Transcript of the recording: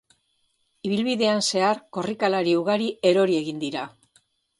Ibilbidean zehar korrikalari ugari erori egin dira.